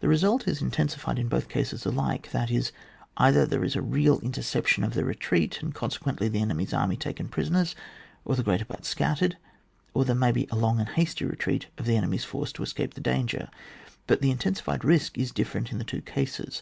The result is intensified in both cases alike, that is — either there is a real inter ception of the retreat, and consequently the enemy's army taken prisoners, or the greater part scattered, or there may be a long and hasty retreat of the enemy*6 force to escape the danger. But the intensified risk is different in the two cases.